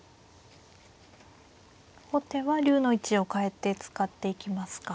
後手は竜の位置を変えて使っていきますか。